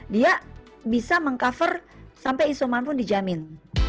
dia bisa meng cover sampai isoman pun dijamin